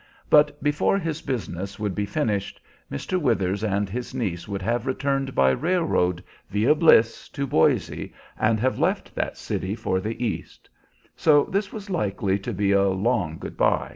But before his business would be finished Mr. Withers and his niece would have returned by railroad via Bliss to Boise, and have left that city for the East; so this was likely to be a long good by.